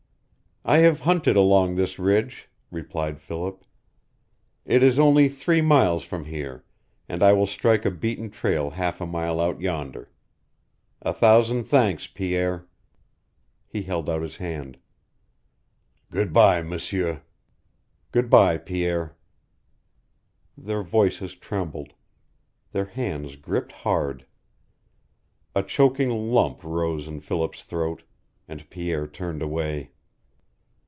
"I have hunted along this ridge," replied Philip. "It is only three miles from here, and I will strike a beaten trail half a mile out yonder. A thousand thanks, Pierre." He held out his hand. "Good by, M'sieur." "Good by, Pierre." Their voices trembled. Their hands gripped hard. A choking lump rose in Philip's throat, and Pierre turned away.